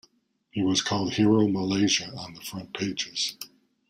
He was called Hero Malaysia on the front pages.